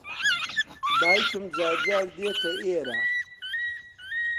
دایکم جار جار دێتە ئێرە.